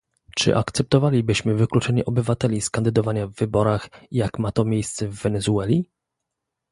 Czy akceptowalibyśmy wykluczenie obywateli z kandydowania w wyborach, jak ma to miejsce w Wenezueli?